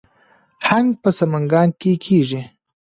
هنګ په سمنګان کې کیږي